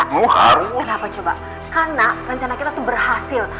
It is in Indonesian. kenapa coba karena rencana kita tuh berhasil